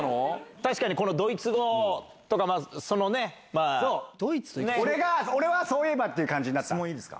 確かにドイツ語とか、そのね、俺は、そういえばっていう感質問いいですか？